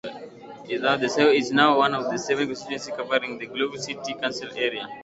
Glasgow Central is now one of seven constituencies covering the Glasgow City council area.